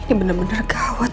ini bener dua gawat